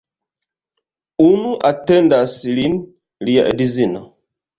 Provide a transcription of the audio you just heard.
Unu atendas lin, lia edzino.